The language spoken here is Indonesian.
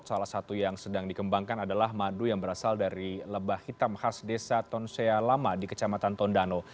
salah satu yang sedang dikembangkan adalah madu yang berasal dari lebah hitam khas desa tonsea lama di kecamatan tondano